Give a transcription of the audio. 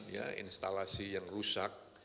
ya instalasi yang rusak